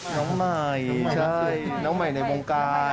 น้องใหม่ใช่น้องใหม่ในวงการ